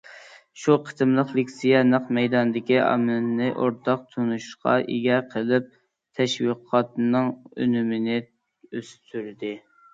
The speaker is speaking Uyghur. شۇ قېتىملىق لېكسىيە نەق مەيداندىكى ئاممىنى ئورتاق تونۇشقا ئىگە قىلىپ، تەشۋىقاتنىڭ ئۈنۈمىنى ئۆستۈردى.